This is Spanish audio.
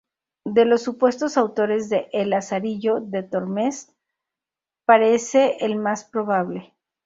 De los supuestos autores de "El Lazarillo de Tormes" parece el más probable.